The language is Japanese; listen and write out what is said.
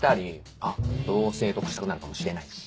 あっ同棲とかしたくなるかもしれないし。